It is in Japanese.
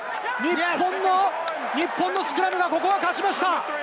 日本のスクラムが、ここは勝ちました！